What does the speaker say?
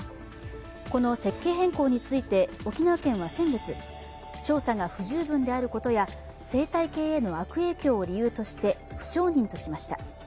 この設計変更について沖縄県は先月、調査が不十分であることや生態系への悪影響を理由として不承認としました。